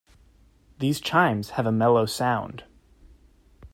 These chimes have a mellow sound.